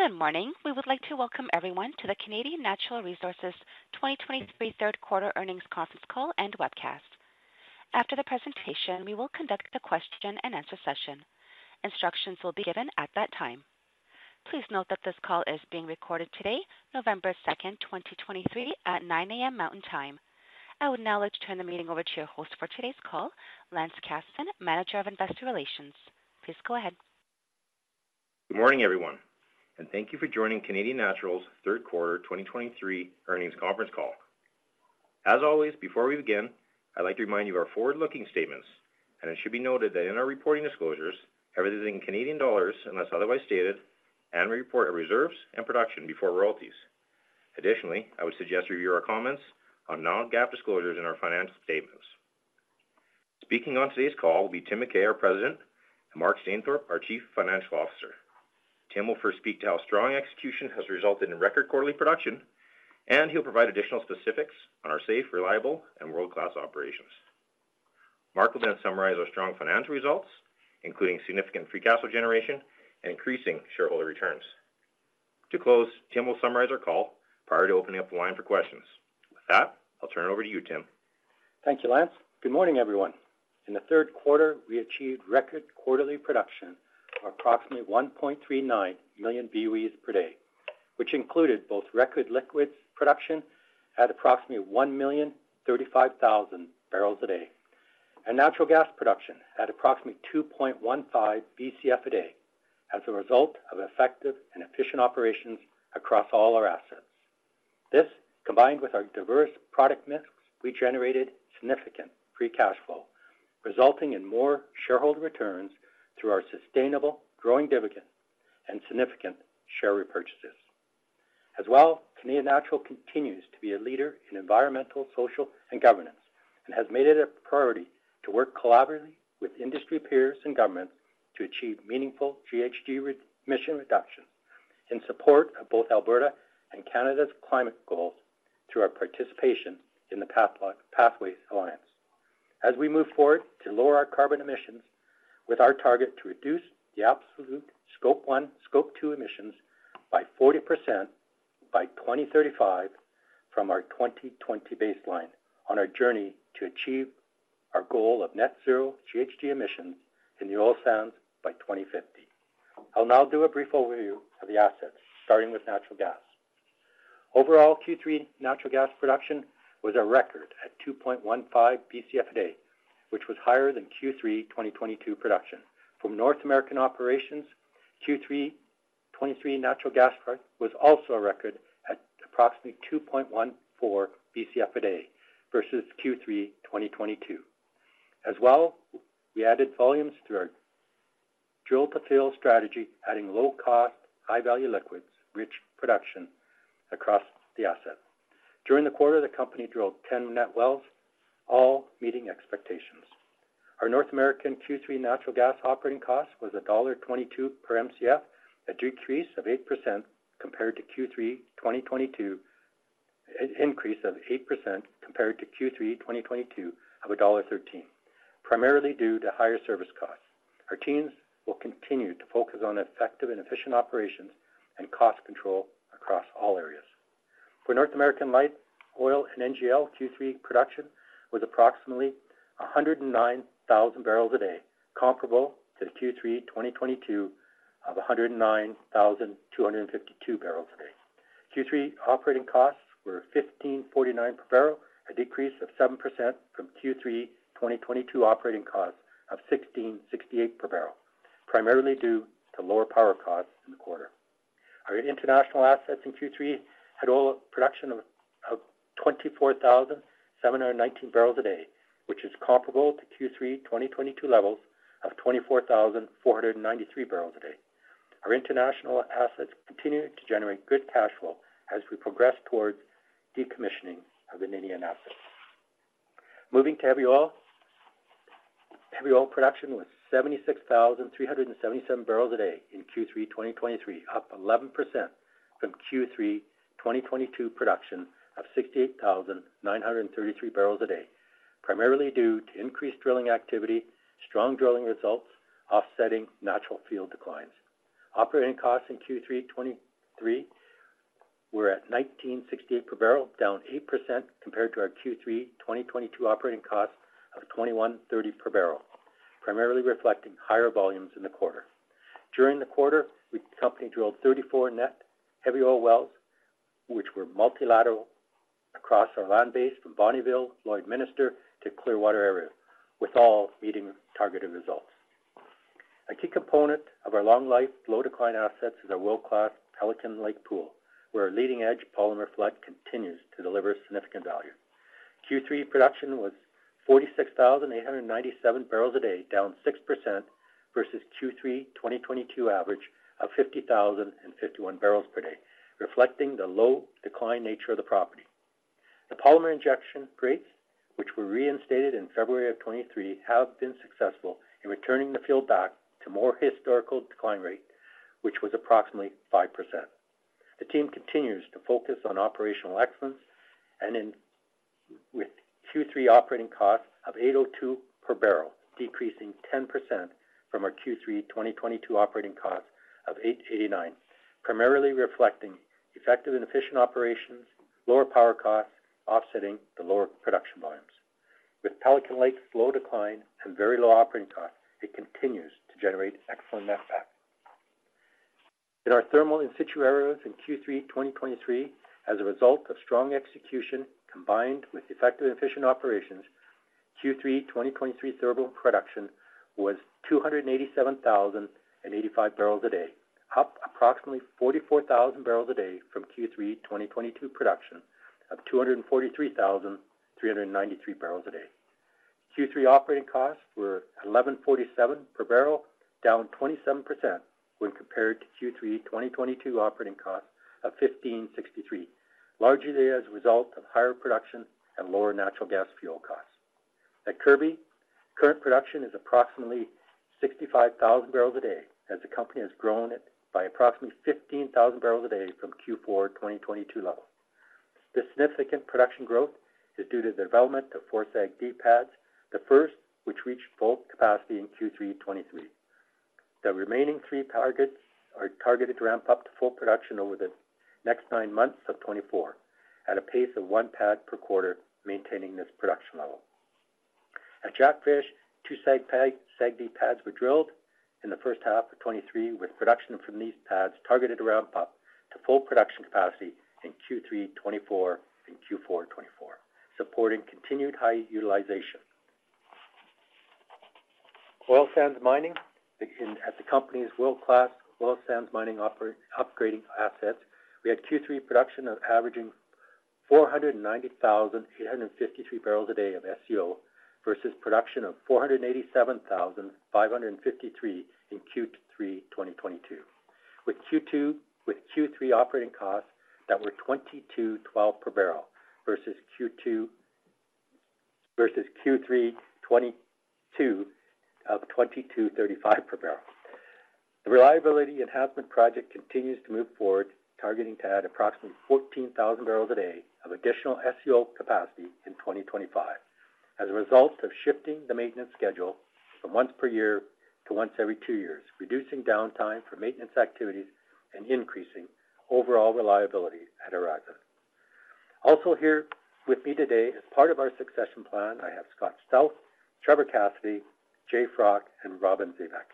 Good morning. We would like to welcome everyone to the Canadian Natural Resources 2023 third quarter earnings conference call and webcast. After the presentation, we will conduct a question and answer session. Instructions will be given at that time. Please note that this call is being recorded today, November 2, 2023, at 9 A.M. Mountain Time. I would now like to turn the meeting over to your host for today's call, Lance Casson, Manager of Investor Relations. Please go ahead. Good morning, everyone, and thank you for joining Canadian Natural's third quarter 2023 earnings conference call. As always, before we begin, I'd like to remind you of our forward-looking statements, and it should be noted that in our reporting disclosures, everything is in Canadian dollars unless otherwise stated, and we report our reserves and production before royalties. Additionally, I would suggest you review our comments on non-GAAP disclosures in our financial statements. Speaking on today's call will be Tim McKay, our President, and Mark Stainthorpe, our Chief Financial Officer. Tim will first speak to how strong execution has resulted in record quarterly production, and he'll provide additional specifics on our safe, reliable, and world-class operations. Mark will then summarize our strong financial results, including significant free cash flow generation and increasing shareholder returns. To close, Tim will summarize our call prior to opening up the line for questions. With that, I'll turn it over to you, Tim. Thank you, Lance. Good morning, everyone. In the third quarter, we achieved record quarterly production of approximately 1.39 million BOEs per day, which included both record liquids production at approximately 1,035,000 barrels a day, and natural gas production at approximately 2.15 Bcf/day as a result of effective and efficient operations across all our assets. This, combined with our diverse product mix, we generated significant free cash flow, resulting in more shareholder returns through our sustainable growing dividend and significant share repurchases. As well, Canadian Natural continues to be a leader in environmental, social, and governance, and has made it a priority to work collaboratively with industry peers and government to achieve meaningful GHG emission reductions in support of both Alberta and Canada's climate goals through our participation in the Pathways Alliance. As we move forward to lower our carbon emissions, with our target to reduce the absolute Scope 1, Scope 2 emissions by 40% by 2035 from our 2020 baseline on our journey to achieve our goal of net zero GHG emissions in the Oil Sands by 2050. I'll now do a brief overview of the assets, starting with natural gas. Overall, Q3 natural gas production was a record at 2.15 Bcf/day, which was higher than Q3 2022 production. From North American operations, Q3 2023 natural gas production was also a record at approximately 2.14 Bcf/day versus Q3 2022. As well, we added volumes through our drill-to-fill strategy, adding low-cost, high-value, liquids-rich production across the asset. During the quarter, the company drilled 10 net wells, all meeting expectations. Our North American Q3 natural gas operating cost was $1.22 per MCF, a decrease of 8% compared to Q3 2022. An increase of 8% compared to Q3 2022 of $1.13, primarily due to higher service costs. Our teams will continue to focus on effective and efficient operations and cost control across all areas. For North American light oil and NGL, Q3 production was approximately 109,000 barrels a day, comparable to the Q3 2022 of 109,252 barrels a day. Q3 operating costs were $15.49 per barrel, a decrease of 7% from Q3 2022 operating costs of $16.68 per barrel, primarily due to lower power costs in the quarter. Our international assets in Q3 had oil production of 24,719 barrels a day, which is comparable to Q3 2022 levels of 24,493 barrels a day. Our international assets continued to generate good cash flow as we progress towards decommissioning of an Ninian asset. Moving to heavy oil. Heavy oil production was 76,377 barrels a day in Q3 2023, up 11% from Q3 2022 production of 68,933 barrels a day, primarily due to increased drilling activity, strong drilling results, offsetting natural field declines. Operating costs in Q3 2023 were at 1,968 per barrel, down 8% compared to our Q3 2022 operating cost of 2,130 per barrel, primarily reflecting higher volumes in the quarter. During the quarter, the company drilled 34 net heavy oil wells, which were multilateral across our land base from Bonnyville, Lloydminster, to Clearwater areas, with all meeting targeted results. A key component of our long-life, low-decline assets is our world-class Pelican Lake pool, where our leading-edge polymer flood continues to deliver significant value. Q3 production was 46,897 barrels a day, down 6% versus Q3 2022 average of 50,051 barrels per day, reflecting the low decline nature of the property. The polymer injection rates, which were reinstated in February 2023, have been successful in returning the field back to more historical decline rate, which was approximately 5%. The team continues to focus on operational excellence with Q3 operating costs of $8.0. 2 per barrel, decreasing 10% from our Q3 2022 operating costs of $8.89, primarily reflecting effective and efficient operations, lower power costs, offsetting the lower production volumes. With Pelican Lake's low decline and very low operating costs, it continues to generate excellent netback. In our thermal in situ areas in Q3 2023, as a result of strong execution, combined with effective and efficient operations, Q3 2023 thermal production was 287,085 barrels a day, up approximately 44,000 barrels a day from Q3 2022 production of 243,393 barrels a day. Q3 operating costs were $11.47 per barrel, down 27% when compared to Q3 2022 operating costs of $15.63, largely as a result of higher production and lower natural gas fuel costs. At Kirby, current production is approximately 65,000 barrels a day, as the company has grown it by approximately 15,000 barrels a day from Q4 2022 levels. The significant production growth is due to the development of four SAGD pads, the first which reached full capacity in Q3 2023. The remaining three targets are targeted to ramp up to full production over the next nine months of 2024, at a pace of one pad per quarter, maintaining this production level. At Jackfish, two SAGD pads, SAGD pads were drilled in the first half of 2023, with production from these pads targeted to ramp up to full production capacity in Q3 2024 and Q4 2024, supporting continued high utilization. Oil sands mining at the company's world-class oil sands mining operations and upgrading assets, we had Q3 production averaging 490,853 barrels a day of SCO, versus production of 487,553 in Q3 2022. With Q3 operating costs that were $22.12 per barrel versus Q3 2022 of $22.35 per barrel. The reliability enhancement project continues to move forward, targeting to add approximately 14,000 barrels a day of additional SCO capacity in 2025, as a result of shifting the maintenance schedule from once per year to once every two years, reducing downtime for maintenance activities and increasing overall reliability at Horizon. Also here with me today as part of our succession plan, I have Scott Stauth, Trevor Cassidy, Jay Froc, and Robin Zabek.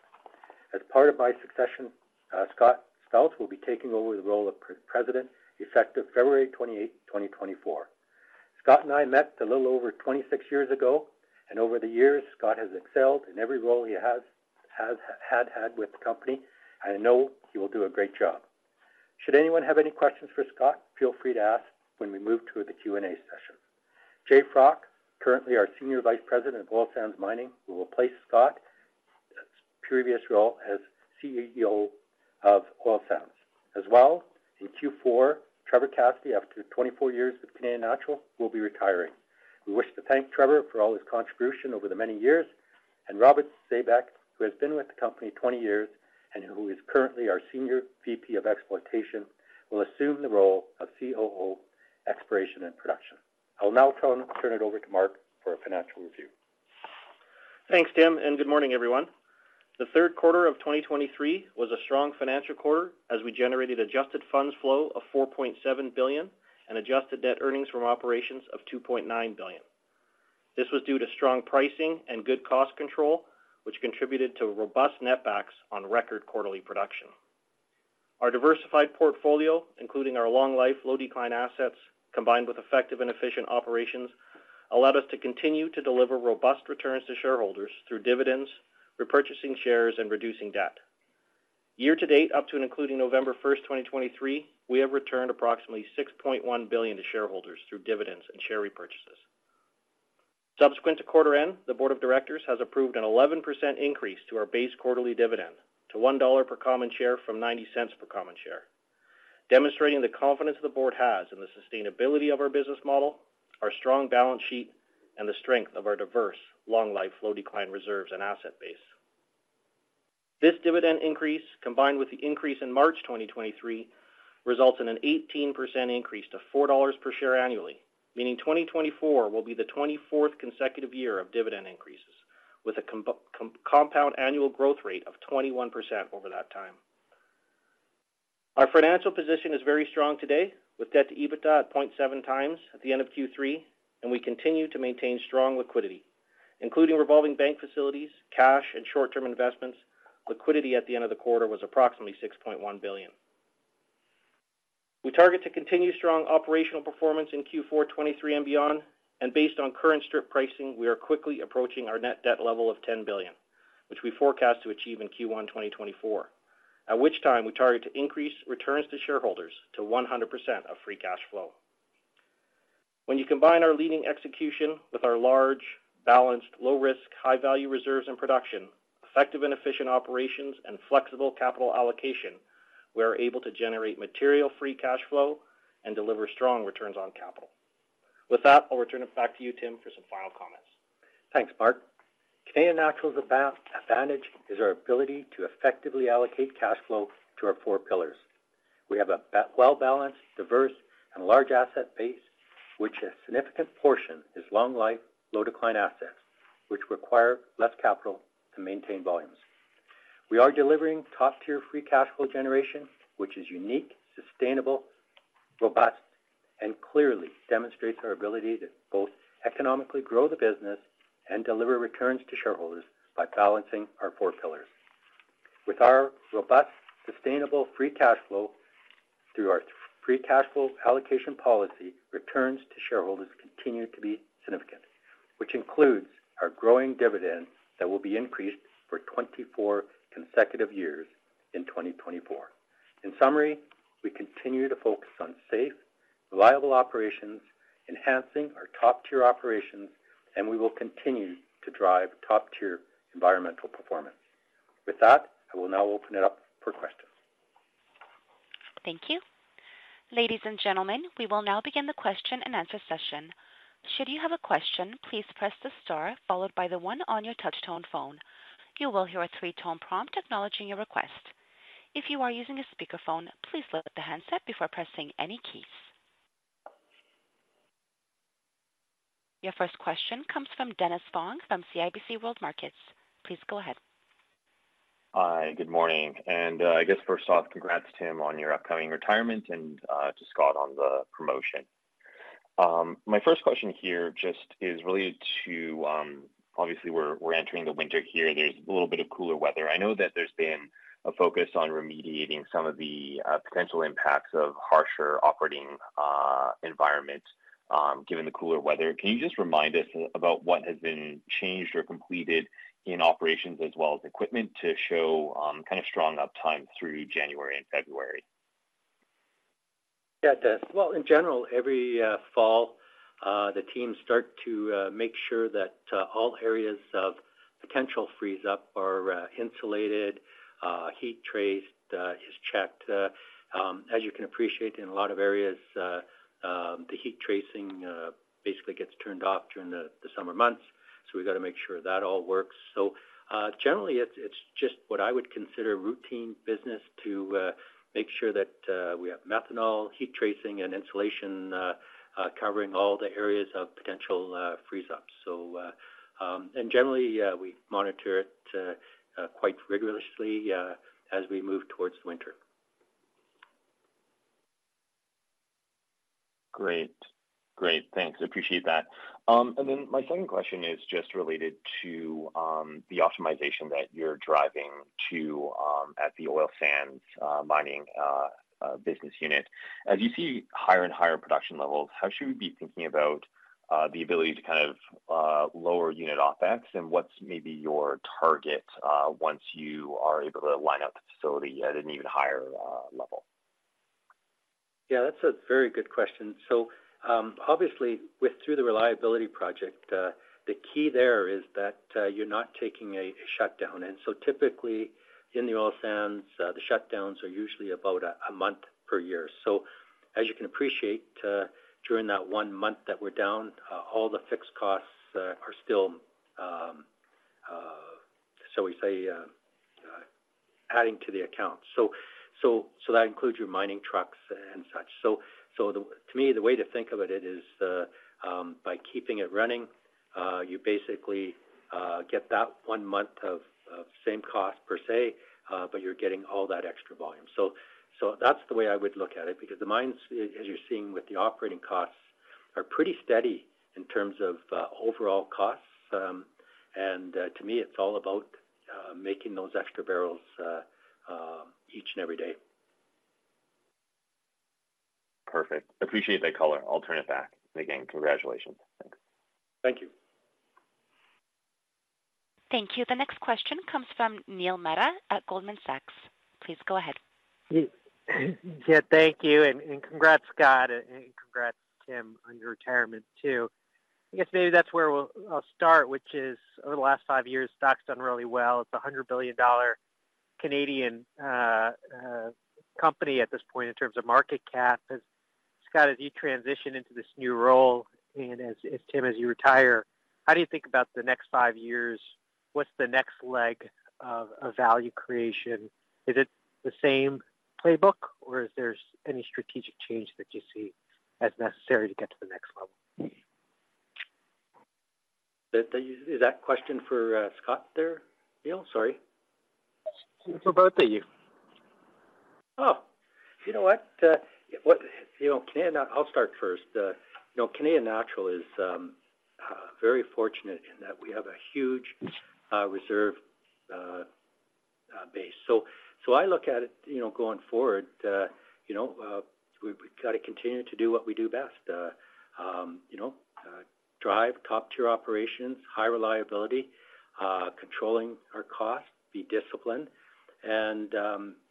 As part of my succession, Scott Stauth will be taking over the role of President, effective February 28, 2024. Scott and I met a little over 26 years ago, and over the years, Scott has excelled in every role he has had with the company, and I know he will do a great job. Should anyone have any questions for Scott, feel free to ask when we move to the Q&A session. Jay Froc, currently our Senior Vice President of Oil Sands Mining, will replace Scott's previous role as COO of Oil Sands. As well, in Q4, Trevor Cassidy, after 24 years with Canadian Natural, will be retiring. We wish to thank Trevor for all his contribution over the many years. Robin Zabek, who has been with the company 20 years and who is currently our Senior VP of Exploitation, will assume the role of COO, Exploration and Production. I'll now turn it over to Mark for a financial review. Thanks, Tim, and good morning, everyone. The third quarter of 2023 was a strong financial quarter, as we generated adjusted funds flow of 4.7 billion and adjusted net earnings from operations of 2.9 billion. This was due to strong pricing and good cost control, which contributed to a robust netbacks on record quarterly production. Our diversified portfolio, including our long life, low-decline assets, combined with effective and efficient operations, allowed us to continue to deliver robust returns to shareholders through dividends, repurchasing shares, and reducing debt. Year-to-date, up to and including November 1st, 2023, we have returned approximately 6.1 billion to shareholders through dividends and share repurchases. Subsequent to quarter end, the board of directors has approved an 11% increase to our base quarterly dividend to 1 dollar per common share from 0.90 per common share, demonstrating the confidence the board has in the sustainability of our business model, our strong balance sheet, and the strength of our diverse, long-life, low-decline reserves and asset base. This dividend increase, combined with the increase in March 2023, results in an 18% increase to 4 dollars per share annually, meaning 2024 will be the 24th consecutive year of dividend increases, with a compound annual growth rate of 21% over that time. Our financial position is very strong today, with debt to EBITDA at 0.7 times at the end of Q3, and we continue to maintain strong liquidity, including revolving bank facilities, cash, and short-term investments. Liquidity at the end of the quarter was approximately 6.1 billion. We target to continue strong operational performance in Q4 2023 and beyond, and based on current strip pricing, we are quickly approaching our net debt level of 10 billion, which we forecast to achieve in Q1 2024, at which time we target to increase returns to shareholders to 100% of free cash flow. When you combine our leading execution with our large, balanced, low risk, high value reserves and production, effective and efficient operations, and flexible capital allocation, we are able to generate material free cash flow and deliver strong returns on capital. With that, I'll return it back to you, Tim, for some final comments. Thanks, Mark. Canadian Natural's advantage is our ability to effectively allocate cash flow to our four pillars. We have a well-balanced, diverse, and large asset base, which a significant portion is long life, low decline assets, which require less capital to maintain volumes. We are delivering top-tier free cash flow generation, which is unique, sustainable, robust, and clearly demonstrates our ability to both economically grow the business and deliver returns to shareholders by balancing our four pillars. With our robust, sustainable free cash flow through our free cash flow allocation policy, returns to shareholders continue to be significant, which includes our growing dividend that will be increased for 24 consecutive years in 2024. In summary, we continue to focus on safe, reliable operations, enhancing our top-tier operations, and we will continue to drive top-tier environmental performance. With that, I will now open it up for questions. Thank you. Ladies and gentlemen, we will now begin the question-and-answer session. Should you have a question, please press the star followed by the one on your touchtone phone. You will hear a three-tone prompt acknowledging your request. If you are using a speakerphone, please lift the handset before pressing any keys. Your first question comes from Dennis Fong from CIBC World Markets. Please go ahead. Hi, good morning. I guess first off, congrats, Tim, on your upcoming retirement and to Scott on the promotion. My first question here just is related to, obviously, we're entering the winter here. There's a little bit of cooler weather. I know that there's been a focus on remediating some of the potential impacts of harsher operating environments, given the cooler weather. Can you just remind us about what has been changed or completed in operations as well as equipment to show kind of strong uptime through January and February? Yeah, Dennis. Well, in general, every fall, the teams start to make sure that all areas of potential freeze up are insulated, heat traced, is checked. As you can appreciate, in a lot of areas, the heat tracing basically gets turned off during the summer months, so we've got to make sure that all works. So, generally, it's just what I would consider routine business to make sure that we have methanol, heat tracing, and insulation covering all the areas of potential freeze up. So, and generally, we monitor it quite rigorously as we move towards winter. Great. Great, thanks. I appreciate that. And then my second question is just related to the optimization that you're driving to at the oil sands mining business unit. As you see higher and higher production levels, how should we be thinking about the ability to kind of lower unit OpEx? And what's maybe your target once you are able to line up the facility at an even higher level? Yeah, that's a very good question. So, obviously, with through the reliability project, the key there is that, you're not taking a shutdown. And so typically, in the oil sands, the shutdowns are usually about a month per year. So as you can appreciate, during that one month that we're down, all the fixed costs are still, shall we say, adding to the account. So, that includes your mining trucks and such. So the to me, the way to think of it is, by keeping it running, you basically get that one month of same cost per se, but you're getting all that extra volume. So, that's the way I would look at it, because the mines, as you're seeing with the operating costs, are pretty steady in terms of, overall costs. And, to me, it's all about, making those extra barrels, each and every day. Perfect. Appreciate that color. I'll turn it back. And again, congratulations. Thanks. Thank you. Thank you. The next question comes from Neil Mehta at Goldman Sachs. Please go ahead. Yeah, thank you, and congrats, Scott, and congrats, Tim, on your retirement, too. I guess maybe that's where we'll, I'll start, which is over the last five years, stock's done really well. It's a 100 billion Canadian dollars Canadian company at this point in terms of market cap. As Scott, as you transition into this new role and as Tim, as you retire, how do you think about the next five years? What's the next leg of value creation? Is it the same playbook, or is there any strategic change that you see as necessary to get to the next level? Is that question for, Scott there, Neil? Sorry. It's for both of you. Oh, you know what? You know, Canadian Natural, I'll start first. You know, Canadian Natural is very fortunate in that we have a huge reserve base. So I look at it, you know, going forward, you know, we've got to continue to do what we do best. You know, drive top-tier operations, high reliability, controlling our costs, be disciplined. And,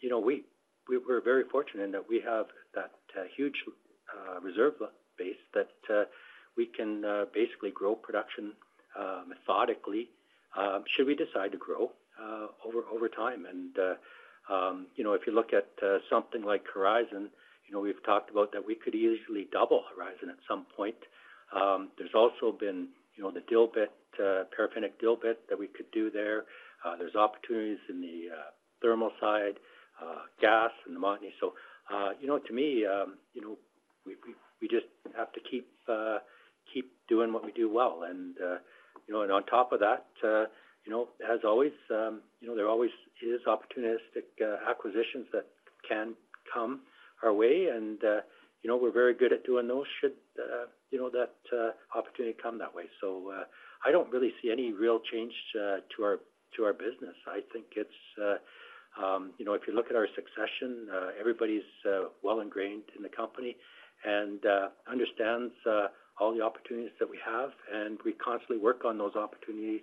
you know, we're very fortunate in that we have that huge reserve base, that we can basically grow production methodically should we decide to grow over time? And, you know, if you look at something like Horizon, you know, we've talked about that we could easily double Horizon at some point. There's also been, you know, the dilbit, paraffinic dilbit that we could do there. There's opportunities in the thermal side, gas and the Montney. So, you know, to me, you know, we just have to keep doing what we do well. And, you know, and on top of that, you know, as always, you know, there always is opportunistic acquisitions that can come our way. And, you know, we're very good at doing those, should that opportunity come that way. So, I don't really see any real change to our business. I think it's you know, if you look at our succession, everybody's, well ingrained in the company and, understands, all the opportunities that we have, and we constantly work on those opportunities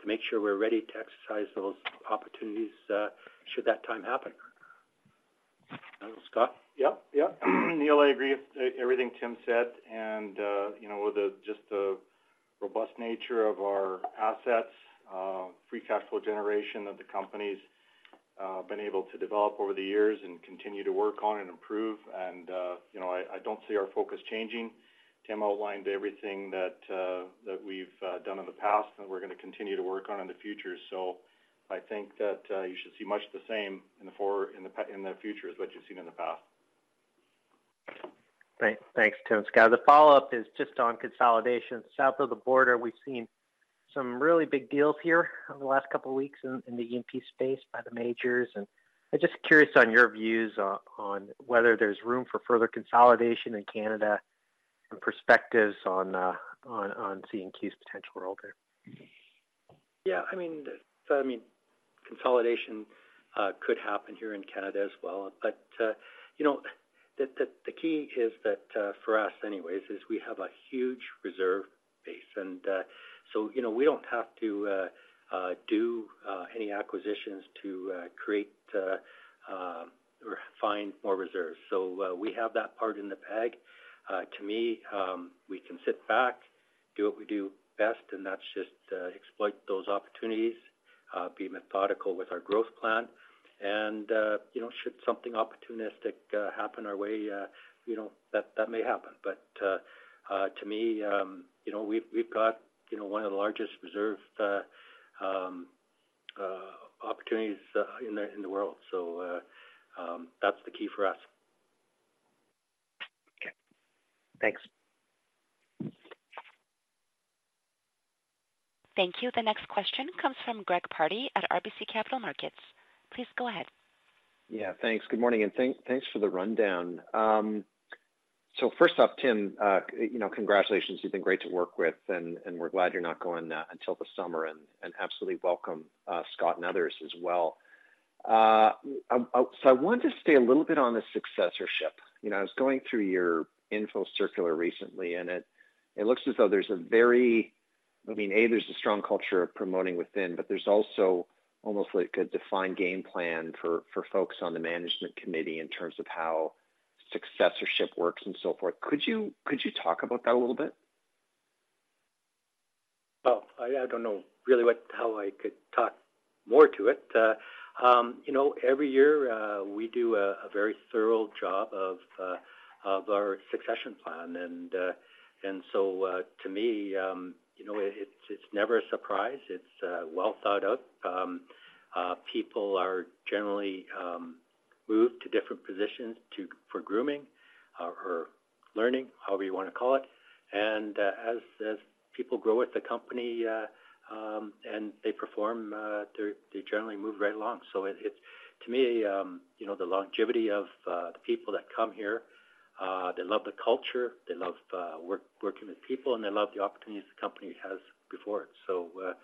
to make sure we're ready to exercise those opportunities, should that time happen. Scott? Yep, yep. Neil, I agree with everything Tim said. And, you know, with just the robust nature of our assets, free cash flow generation that the company's been able to develop over the years and continue to work on and improve. And, you know, I don't see our focus changing. Tim outlined everything that we've done in the past, and we're gonna continue to work on in the future. So I think that you should see much the same in the future as what you've seen in the past. Great. Thanks, Tim. Scott, the follow-up is just on consolidation. South of the border, we've seen some really big deals here over the last couple of weeks in the E&P space by the majors. And I'm just curious on your views on whether there's room for further consolidation in Canada and perspectives on CNQ's potential role there. Yeah, I mean, consolidation could happen here in Canada as well. But, you know, the key is that, for us anyways, is we have a huge reserve base. And, so, you know, we don't have to do any acquisitions to create or find more reserves. So, we have that part in the bag. To me, we can sit back, do what we do best, and that's just exploit those opportunities, be methodical with our growth plan. And, you know, should something opportunistic happen our way, you know, that may happen. But, to me, you know, we've got, you know, one of the largest reserve opportunities in the world. So, that's the key for us. Okay, thanks. Thank you. The next question comes from Greg Pardy at RBC Capital Markets. Please go ahead. Yeah, thanks. Good morning, and thank, thanks for the rundown. So first off, Tim, you know, congratulations. You've been great to work with, and, and we're glad you're not going until the summer, and, and absolutely welcome, Scott and others as well. So I want to stay a little bit on the successorship. You know, I was going through your info circular recently, and it looks as though there's a very I mean, A, there's a strong culture of promoting within, but there's also almost like a defined game plan for, for folks on the management committee in terms of how successorship works and so forth. Could you talk about that a little bit? Well, I don't know really what how I could talk more to it. You know, every year, we do a very thorough job of our succession plan. And so, to me, you know, it's never a surprise. It's well thought of. People are generally moved to different positions to for grooming or learning, however you wanna call it. And as people grow with the company, and they perform, they generally move right along. So it's, to me, you know, the longevity of the people that come here, they love the culture, they love working with people, and they love the opportunities the company has before it.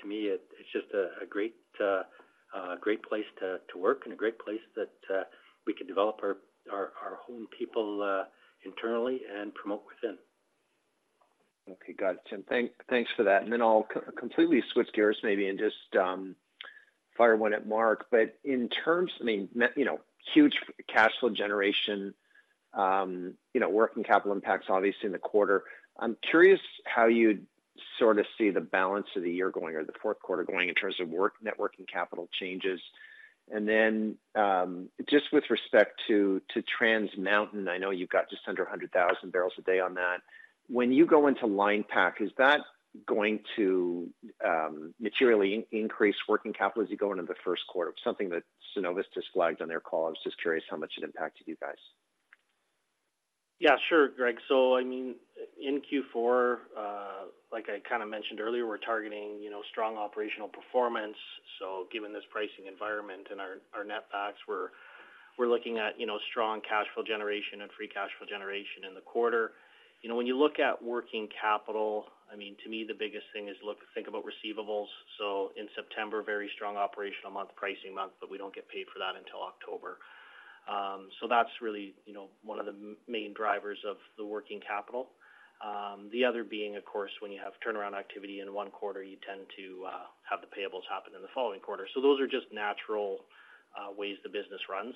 To me, it's just a great place to work and a great place that we can develop our own people internally and promote within. Okay, got it, Tim. Thanks for that. And then I'll completely switch gears maybe and just fire one at Mark. But in terms I mean, you know, huge cash flow generation, you know, working capital impacts obviously in the quarter. I'm curious how you'd sort of see the balance of the year going or the fourth quarter going in terms of working capital changes. And then just with respect to Trans Mountain, I know you've got just under 100,000 barrels a day on that. When you go into line pack, is that going to materially increase working capital as you go into the first quarter? Something that Cenovus just flagged on their call. I was just curious how much it impacted you guys. Yeah, sure, Greg. So, I mean, in Q4, like I kind of mentioned earlier, we're targeting, you know, strong operational performance. So given this pricing environment and our netbacks, we're looking at, you know, strong cash flow generation and free cash flow generation in the quarter. You know, when you look at working capital, I mean, to me, the biggest thing is look, think about receivables. So in September, very strong operational month, pricing month, but we don't get paid for that until October. So that's really, you know, one of the main drivers of the working capital. The other being, of course, when you have turnaround activity in one quarter, you tend to the payables happen in the following quarter. So those are just natural ways the business runs.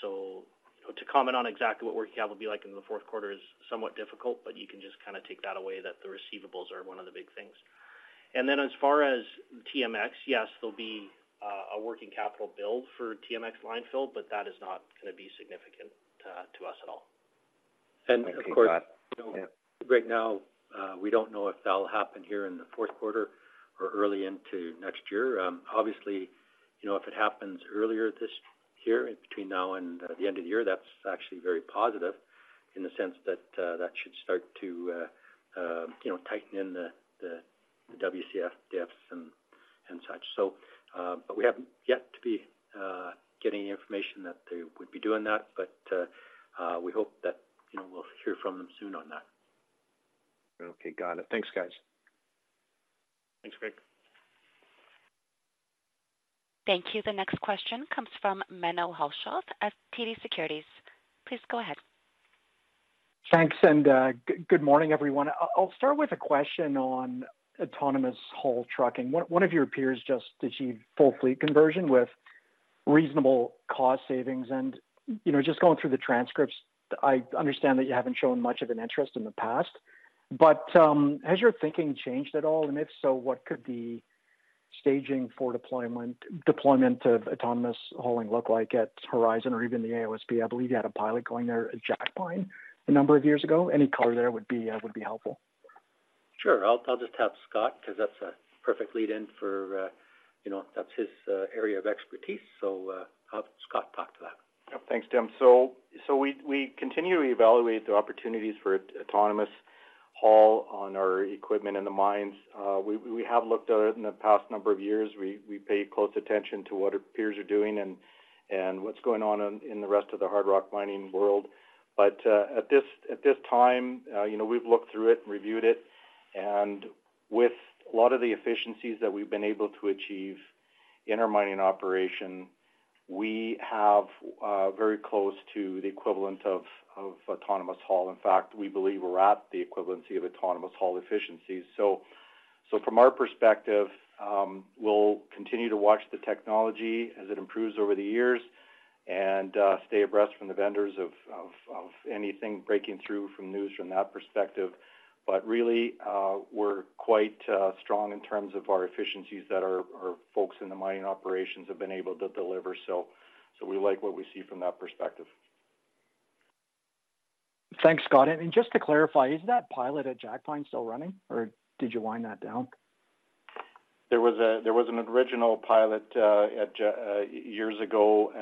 So to comment on exactly what working capital will be like in the fourth quarter is somewhat difficult, but you can just kind of take that away, that the receivables are one of the big things. Then as far as TMX, yes, there'll be a working capital build for TMX line fill, but that is not going to be significant to us at all. Of course, right now, we don't know if that'll happen here in the fourth quarter or early into next year. Obviously, you know, if it happens earlier this year, between now and the end of the year, that's actually very positive in the sense that that should start to you know tighten in the WCS diffs and such. So, but we haven't yet to be getting information that they would be doing that, but we hope that you know we'll hear from them soon on that. Okay. Got it. Thanks, guys. Thanks, Greg. Thank you. The next question comes from Menno Hulshof at TD Securities. Please go ahead. Thanks, and good morning, everyone. I'll start with a question on autonomous haul trucking. One of your peers just achieved full fleet conversion with reasonable cost savings, and you know, just going through the transcripts, I understand that you haven't shown much of an interest in the past, but has your thinking changed at all? And if so, what could the staging for deployment of autonomous hauling look like at Horizon or even the AOSP? I believe you had a pilot going there at Jackpine a number of years ago. Any color there would be helpful. Sure. I'll just tap Scott, because that's a perfect lead in for, you know, that's his area of expertise. So, I'll have Scott talk to that. Yeah. Thanks, Tim. So we continue to evaluate the opportunities for autonomous haul on our equipment in the mines. We have looked at it in the past number of years. We pay close attention to what our peers are doing and what's going on in the rest of the hard rock mining world. But at this time, you know, we've looked through it and reviewed it, and with a lot of the efficiencies that we've been able to achieve in our mining operation, we have very close to the equivalent of autonomous haul. In fact, we believe we're at the equivalency of autonomous haul efficiencies. So from our perspective, we'll continue to watch the technology as it improves over the years and stay abreast from the vendors of anything breaking through from news from that perspective. But really, we're quite strong in terms of our efficiencies that our folks in the mining operations have been able to deliver. So we like what we see from that perspective. Thanks, Scott. And just to clarify, is that pilot at Jackpine still running, or did you wind that down? There was an original pilot at Jackpine years ago,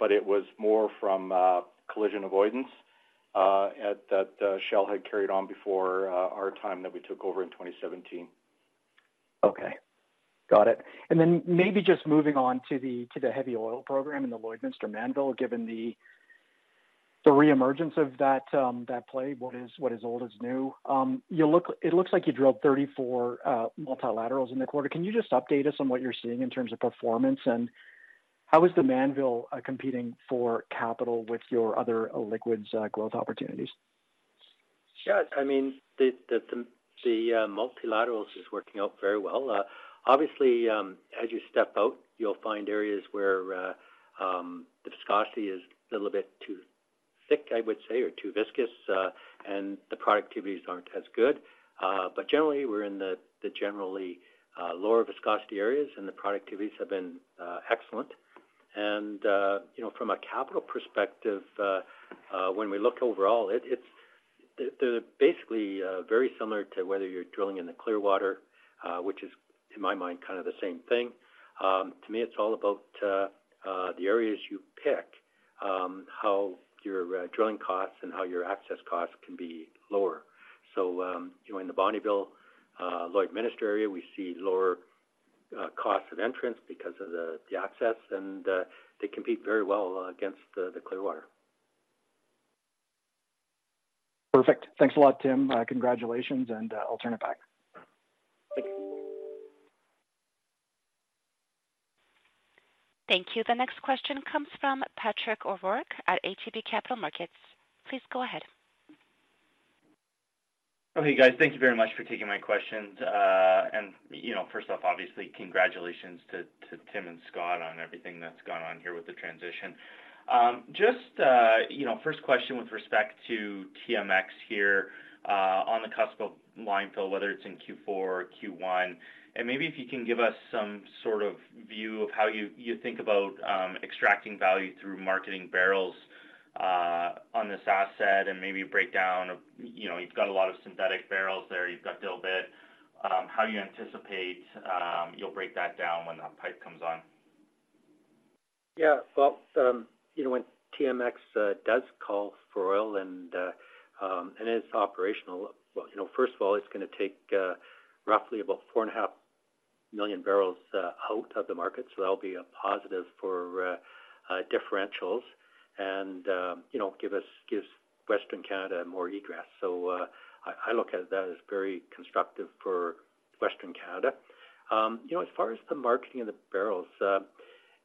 but it was more from collision avoidance at that Shell had carried on before our time that we took over in 2017. Okay, got it. Then maybe just moving on to the heavy oil program in the Lloydminster Mannville, given the reemergence of that, that play, what is old is new. You look, it looks like you drilled 34 multilaterals in the quarter. Can you just update us on what you're seeing in terms of performance, and how is the Mannville competing for capital with your other liquids growth opportunities? Yeah, I mean, the multilaterals is working out very well. Obviously, as you step out, you'll find areas where the viscosity is a little bit too thick, I would say, or too viscous, and the productivities aren't as good. But generally, we're in the generally lower viscosity areas, and the productivities have been excellent. And you know, from a capital perspective, when we look overall, it's they're basically very similar to whether you're drilling in the Clearwater, which is, in my mind, kind of the same thing. To me, it's all about the areas you pick, how your drilling costs and how your access costs can be lower. So, in the Bonnyville, Lloydminster area, we see lower costs of entrance because of the access, and they compete very well against the Clearwater. Perfect. Thanks a lot, Tim. Congratulations, and I'll turn it back. Thank you. Thank you. The next question comes from Patrick O'Rourke at ATB Capital Markets. Please go ahead. Okay, guys, thank you very much for taking my questions. You know, first off, obviously, congratulations to Tim and Scott on everything that's gone on here with the transition. Just, you know, first question with respect to TMX here, on the cusp of line fill, whether it's in Q4 or Q1, and maybe if you can give us some sort of view of how you think about extracting value through marketing barrels on this asset, and maybe a breakdown of, you know, you've got a lot of synthetic barrels there, you've got dilbit, how you anticipate you'll break that down when that pipe comes on. Yeah. Well, you know, when TMX does call for oil and it's operational. Well, you know, first of all, it's going to take roughly about 4.5 million barrels out of the market, so that'll be a positive for differentials and, you know, give us- gives Western Canada more egress. So, I look at that as very constructive for Western Canada. You know, as far as the marketing and the barrels,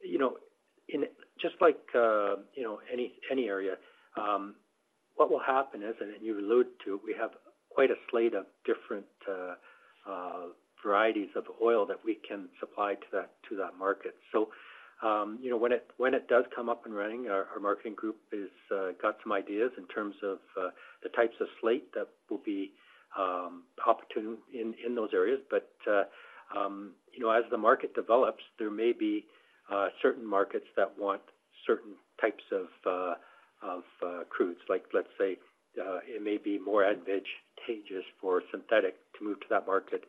you know, just like you know any area. What will happen is, and you allude to, we have quite a slate of different varieties of oil that we can supply to that market. So, you know, when it does come up and running, our marketing group is got some ideas in terms of the types of slate that will be opportune in those areas. But, you know, as the market develops, there may be certain markets that want certain types of crudes. Like, let's say, it may be more advantageous for synthetic to move to that market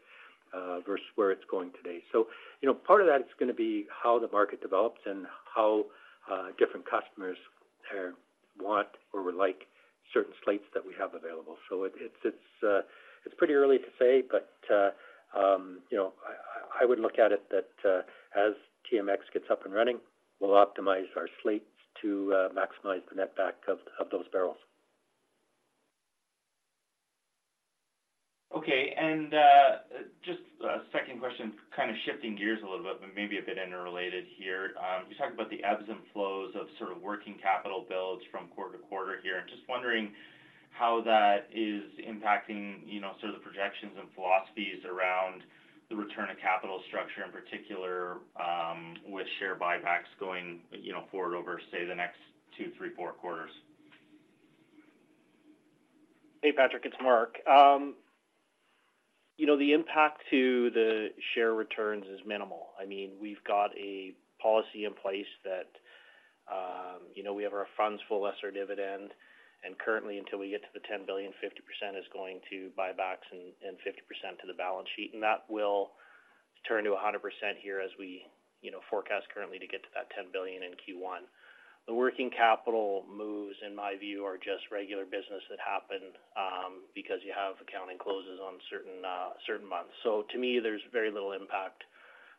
versus where it's going today. So, you know, part of that is gonna be how the market develops and how different customers want or would like certain slates that we have available. So it's pretty early to say, but you know, I would look at it that as TMX gets up and running, we'll optimize our slates to maximize the netback of those barrels. Okay. And just a second question, kind of shifting gears a little bit, but maybe a bit interrelated here. You talked about the ebbs and flows of sort of working capital builds from quarter to quarter here. I'm just wondering how that is impacting, you know, sort of the projections and philosophies around the return of capital structure, in particular, with share buybacks going, you know, forward over, say, the next 2, 3, 4 quarters. Hey, Patrick, it's Mark. You know, the impact to the share returns is minimal. I mean, we've got a policy in place that, you know, we have our funds flow less the dividend, and currently, until we get to the 10 billion, 50% is going to buybacks and, and 50% to the balance sheet. And that will turn to 100% here, as we, you know, forecast currently to get to that 10 billion in Q1. The working capital moves, in my view, are just regular business that happen, because you have accounting closes on certain, certain months. So to me, there's very little impact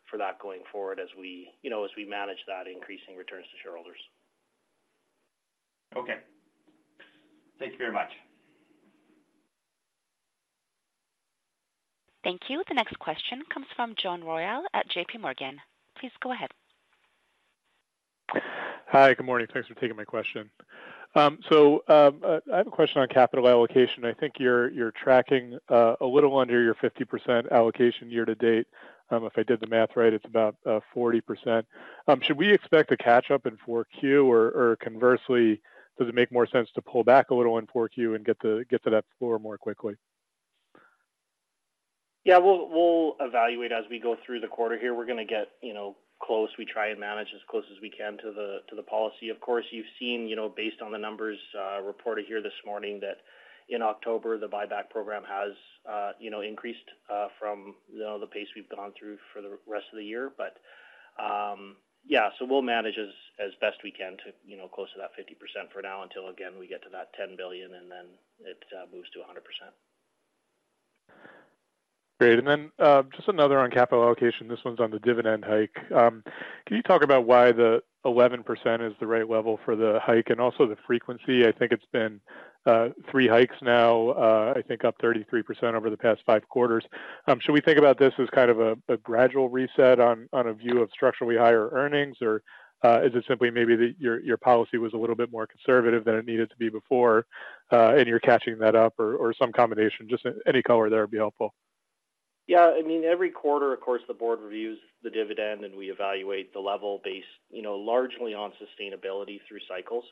for that going forward as we, you know, as we manage that increasing returns to shareholders. Okay. Thank you very much. Thank you. The next question comes from John Royal at JPMorgan. Please go ahead. Hi, good morning. Thanks for taking my question. I have a question on capital allocation. I think you're tracking a little under your 50% allocation year to date. If I did the math right, it's about 40%. Should we expect a catch-up in 4Q? Or conversely, does it make more sense to pull back a little in 4Q and get to that floor more quickly? Yeah, we'll evaluate as we go through the quarter here. We're gonna get, you know, close. We try and manage as close as we can to the policy. Of course, you've seen, you know, based on the numbers reported here this morning, that in October, the buyback program has, you know, increased from the pace we've gone through for the rest of the year. But yeah, so we'll manage as best we can to, you know, close to that 50% for now until, again, we get to that 10 billion, and then it moves to 100%. Great. And then, just another on capital allocation. This one's on the dividend hike. Can you talk about why the 11% is the right level for the hike and also the frequency? I think it's been, three hikes now, I think up 33% over the past 5 quarters. Should we think about this as kind of a, a gradual reset on, on a view of structurally higher earnings? Or, is it simply maybe that your, your policy was a little bit more conservative than it needed to be before, and you're catching that up or, or some combination? Just any color there would be helpful. Yeah, I mean, every quarter, of course, the board reviews the dividend, and we evaluate the level based, you know, largely on sustainability through cycles.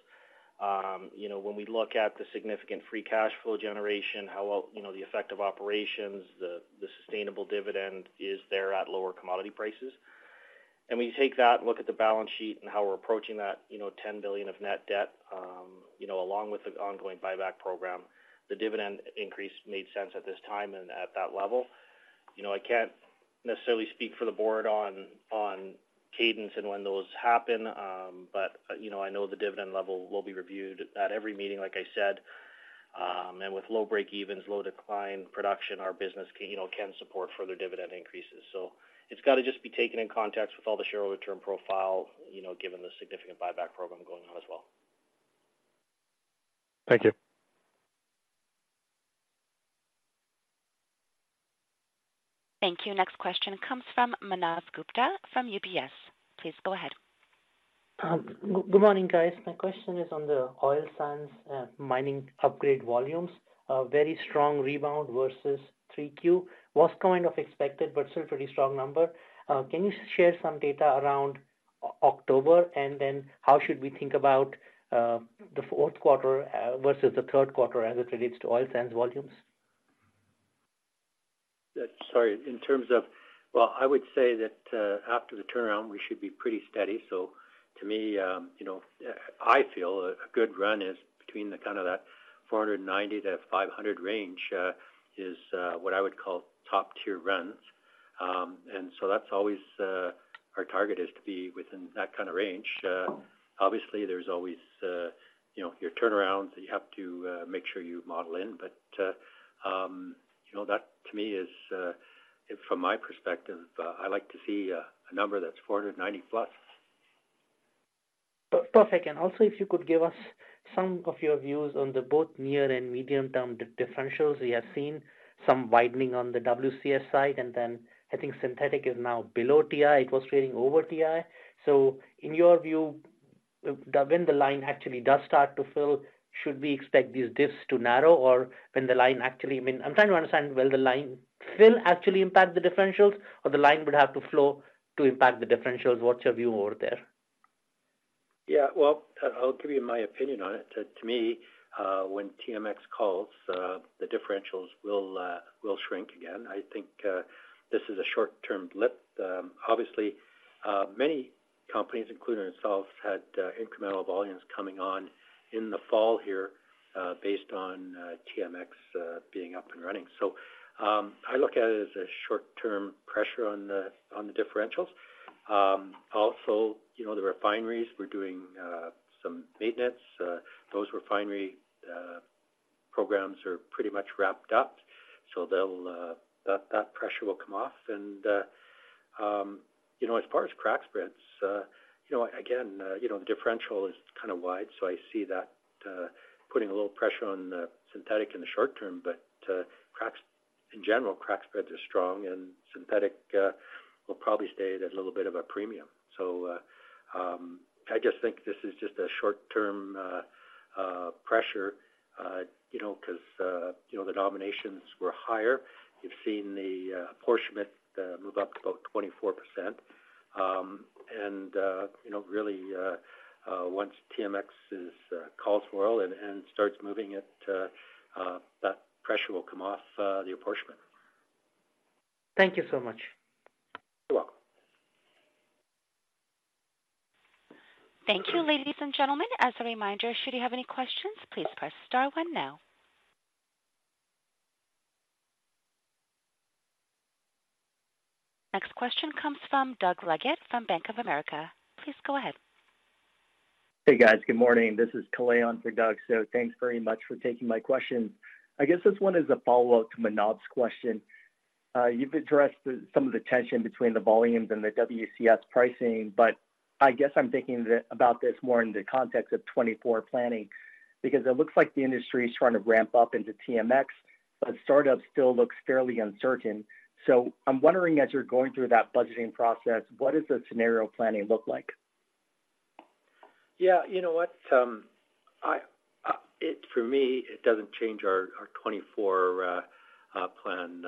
You know, when we look at the significant free cash flow generation, how well, you know, the effect of operations, the sustainable dividend is there at lower commodity prices. And we take that and look at the balance sheet and how we're approaching that, you know, 10 billion of net debt, you know, along with the ongoing buyback program. The dividend increase made sense at this time and at that level. You know, I can't necessarily speak for the board on cadence and when those happen, but, you know, I know the dividend level will be reviewed at every meeting, like I said. With low breakevens, low decline production, our business can, you know, can support further dividend increases. So it's got to just be taken in context with all the shareholder return profile, you know, given the significant buyback program going on as well. Thank you. Thank you. Next question comes from Manav Gupta from UBS. Please go ahead. Good morning, guys. My question is on the oil sands mining upgrade volumes. A very strong rebound versus 3Q was kind of expected, but still a pretty strong number. Can you share some data around October? And then how should we think about the fourth quarter versus the third quarter as it relates to oil sands volumes? Yeah, sorry. In terms of well, I would say that, after the turnaround, we should be pretty steady. So to me, you know, I feel a good run is between the kind of that 490-500 range, is what I would call top-tier runs. And so that's always our target is to be within that kind of range. Obviously, there's always you know, your turnarounds that you have to make sure you model in. But, you know, that to me is from my perspective, I like to see a number that's 490+. Perfect. And also, if you could give us some of your views on the both near- and medium-term differentials. We have seen some widening on the WCS side, and then I think synthetic is now below WTI. It was trading over WTI. So in your view, When the line actually does start to fill, should we expect these dips to narrow or when the line actually, I mean, I'm trying to understand, will the line fill actually impact the differentials or the line would have to flow to impact the differentials? What's your view over there? Yeah, well, I'll give you my opinion on it. To me, when TMX calls, the differentials will shrink again. I think this is a short-term blip. Obviously, many companies, including ourselves, had incremental volumes coming on in the fall here, based on TMX being up and running. So, I look at it as a short-term pressure on the differentials. Also, you know, the refineries were doing some maintenance. Those refinery programs are pretty much wrapped up, so that pressure will come off. And, you know, as far as crack spreads, you know, again, you know, the differential is kind of wide, so I see that putting a little pressure on synthetic in the short term. But, cracks in general, crack spreads are strong and synthetic will probably stay at a little bit of a premium. So, I just think this is just a short term pressure, you know, because, you know, the nominations were higher. You've seen the apportionment move up about 24%. And, you know, really, once TMX calls for oil and starts moving it, that pressure will come off the apportionment. Thank you so much. You're welcome. Thank you, ladies and gentlemen. As a reminder, should you have any questions, please press star one now. Next question comes from Doug Leggate from Bank of America. Please go ahead. Hey, guys. Good morning. This is Kalei for Doug. So thanks very much for taking my question. I guess this one is a follow-up to Manav's question. You've addressed the, some of the tension between the volumes and the WCS pricing, but I guess I'm thinking that, about this more in the context of 2024 planning, because it looks like the industry is trying to ramp up into TMX, but startup still looks fairly uncertain. So I'm wondering, as you're going through that budgeting process, what does the scenario planning look like? Yeah, you know what? It for me, it doesn't change our 2024 plan.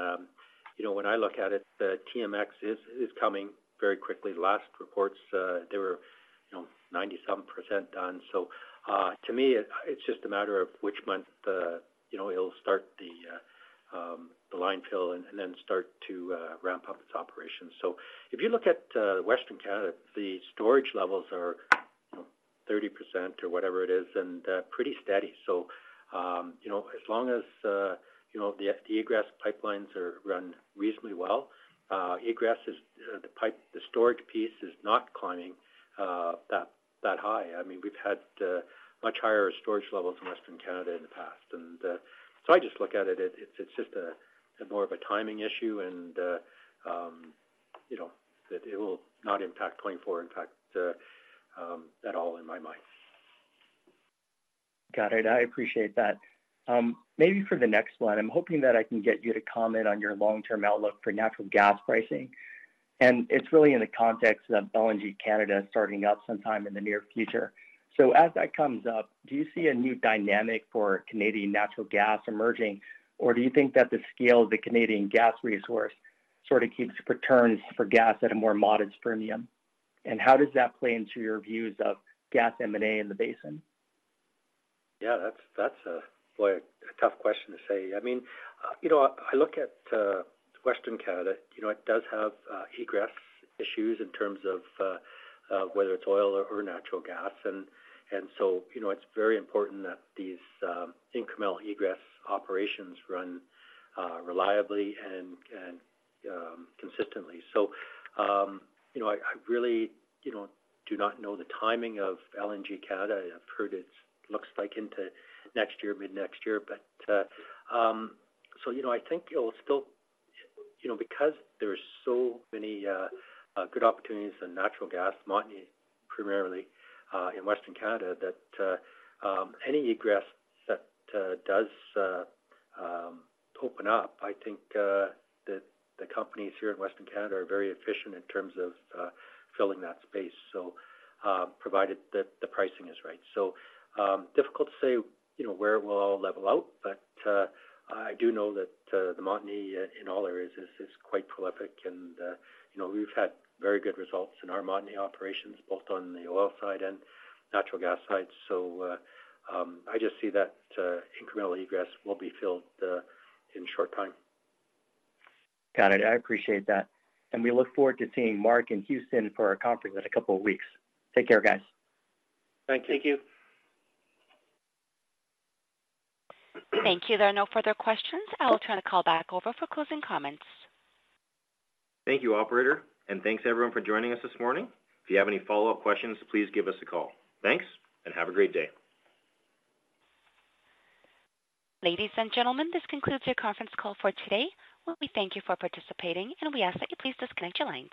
You know, when I look at it, the TMX is coming very quickly. Last reports, they were, you know, 90-something% done. So, to me, it's just a matter of which month, you know, it'll start the line fill and then start to ramp up its operations. So if you look at Western Canada, the storage levels are 30% or whatever it is, and pretty steady. So, you know, as long as, you know, the egress pipelines are run reasonably well, egress is the pipe, the storage piece is not climbing that high. I mean, we've had much higher storage levels in Western Canada in the past. So I just look at it. It's just more of a timing issue and, you know, that it will not impact 2024, in fact, at all in my mind. Got it. I appreciate that. Maybe for the next one, I'm hoping that I can get you to comment on your long-term outlook for natural gas pricing, and it's really in the context of LNG Canada starting up sometime in the near future. So as that comes up, do you see a new dynamic for Canadian natural gas emerging? Or do you think that the scale of the Canadian gas resource sort of keeps returns for gas at a more modest premium? And how does that play into your views of gas M&A in the basin? Yeah, that's a boy, a tough question to say. I mean, you know, I look at Western Canada, you know, it does have egress issues in terms of whether it's oil or natural gas. And so, you know, it's very important that these incremental egress operations run reliably and consistently. So, you know, I really you know do not know the timing of LNG Canada. I've heard it looks like into next year, mid-next year. But so, you know, I think it'll still you know, because there are so many good opportunities in natural gas, Montney, primarily, in Western Canada, that any egress that does open up, I think, that the companies here in Western Canada are very efficient in terms of filling that space, so provided that the pricing is right. So difficult to say, you know, where it will all level out, but I do know that the Montney in all areas is quite prolific. And you know, we've had very good results in our Montney operations, both on the oil side and natural gas side. So I just see that incremental egress will be filled in short time. Got it. I appreciate that. We look forward to seeing Mark in Houston for our conference in a couple of weeks. Take care, guys. Thanks. Thank you. Thank you. There are no further questions. I'll turn the call back over for closing comments. Thank you, operator, and thanks everyone for joining us this morning. If you have any follow-up questions, please give us a call. Thanks, and have a great day. Ladies and gentlemen, this concludes your conference call for today. We thank you for participating, and we ask that you please disconnect your lines.